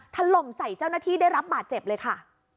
ถล่มใส่เจ้าหน้าที่ได้รับบาดเจ็บเลยค่ะ